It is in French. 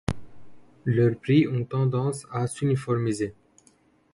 Leurs prix ont tendance à s’uniformiser.